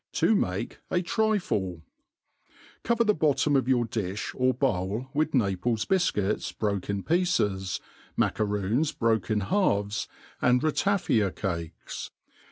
To make a Trifie* COVER the bottom of your dilh or bowl with Naplca bif cuits broke in pieces, riackeroons broke in halves, and ratafia cakes.